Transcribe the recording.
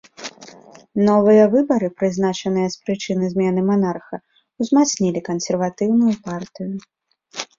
Новыя выбары, прызначаныя з прычыны змены манарха, узмацнілі кансерватыўную партыю.